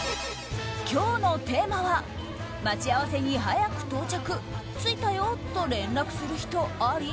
今日のテーマは待ち合わせに早く到着着いたよと連絡する人あり？